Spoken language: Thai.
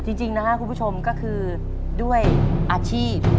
จริงนะครับคุณผู้ชมก็คือด้วยอาชีพ